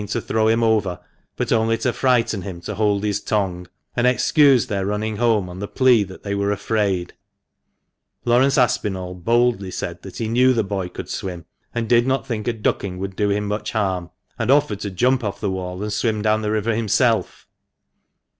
iig to throw him over, but only to frighten him to "hold his tongue," and excused their running home on the plea that they were "afraid," Laurence Aspinall boldly said that he knew the boy could swim and did not think a ducking would do him much harm, and offered to jump off the wall and swim down the river himself.